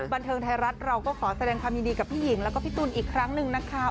บันเทิงไทยรัฐเราก็ขอแสดงความยินดีกับพี่หญิงแล้วก็พี่ตูนอีกครั้งหนึ่งนะคะ